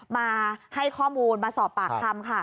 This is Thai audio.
มาให้ข้อมูลมาสอบปากคำค่ะ